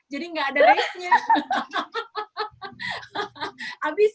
jadi gak ada resnya